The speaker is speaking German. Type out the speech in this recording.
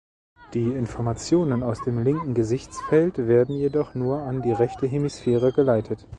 Die Informationen aus dem linken Gesichtsfeld werden jedoch nur an die rechte Hemisphäre geleitet.